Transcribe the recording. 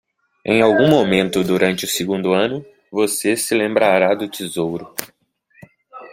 Em algum momento durante o segundo ano?, você se lembrará do tesouro.